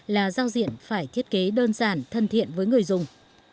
là giao diện phải thiết kế đơn giản thân thiện với người dùng